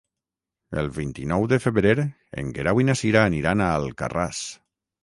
El vint-i-nou de febrer en Guerau i na Cira aniran a Alcarràs.